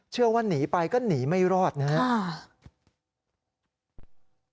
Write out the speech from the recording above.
เชื่อว่าหนีไปก็หนีไม่รอดนะครับ